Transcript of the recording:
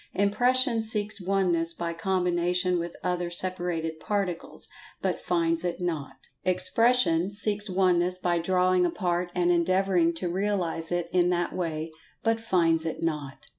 Impression seeks Oneness by combination with other separated Particles, but finds it not. Expression seeks Oneness by[Pg 152] drawing apart and endeavoring to realize it in that way, but finds it not.